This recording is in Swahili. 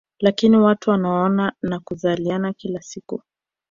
Lakini watu wanaoana na kuzaliana kila siku